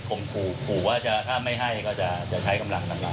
ผมถูกว่าว่าถ้าไม่ให้ก็จะใช้กำหลังน้ำหลาย